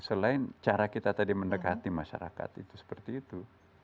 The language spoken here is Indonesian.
selain cara kita tadi mendekati masyarakat itu seperti itu